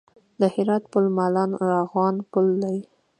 د هرات پل مالان ارغوان پل دی